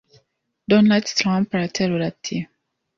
Donard Trump araterura ati